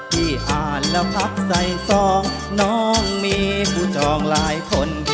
ที่อ่านแล้วพักใส่ซองน้องมีผู้จองหลายคน